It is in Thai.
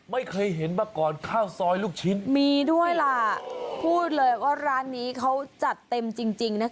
ไม่เคยเห็นมาก่อนข้าวซอยลูกชิ้นมีด้วยล่ะพูดเลยว่าร้านนี้เขาจัดเต็มจริงนะคะ